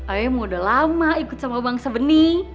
emang udah lama ikut sama bang sabeni